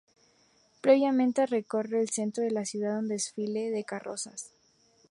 Previamente recorre el centro de la ciudad un desfile de carrozas.